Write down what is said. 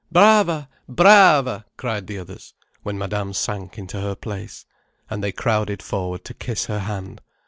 "Brava—Brava!" cried the others, when Madame sank into her place. And they crowded forward to kiss her hand.